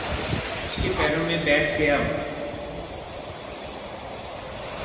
اس کے پیروں میں بیٹھ گیا۔